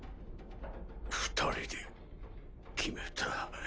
二人で決めた。